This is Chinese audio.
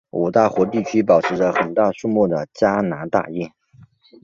五大湖地区保持着很大数目的加拿大雁。